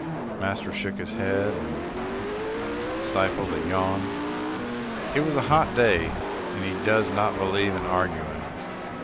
Master shook his head, and stifled a yawn. It was a hot day, and he does not believe in arguing.